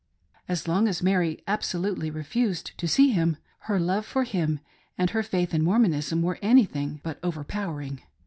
As long as Mary absolutely refused to see him, her love for him and her faith in Mormonism were anything but overpowering.